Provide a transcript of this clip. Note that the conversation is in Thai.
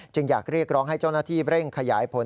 อยากเรียกร้องให้เจ้าหน้าที่เร่งขยายผล